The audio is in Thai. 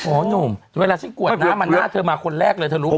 หนุ่มเวลาฉันกวดน้ำมันหน้าเธอมาคนแรกเลยเธอรู้ไหม